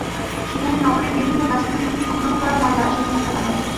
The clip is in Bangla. সেখানে নগরের বিভিন্ন ডাস্টবিন থেকে সংগ্রহ করা ময়লা সেখানে ফেলা হয়।